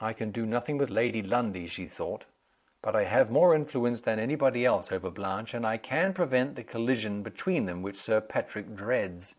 "I can do nothing with Lady Lundie," she thought. "But I have more influence than any body else over Blanche and I can prevent the collision between them which Sir Patrick dreads."